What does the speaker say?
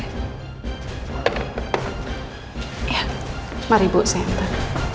ya mari bu saya ntar